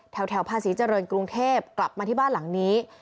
แถวภาษีเจริญกรุงเทพกลับมาที่บ้านหลังนี้